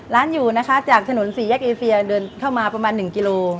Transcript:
ร้านอยู่นะคะจากถนนสี่แยกเอเฟียเดินเข้ามาประมาณ๑กิโล